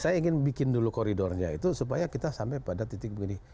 saya ingin bikin dulu koridornya itu supaya kita sampai pada titik begini